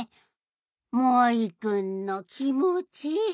モイくんのきもち。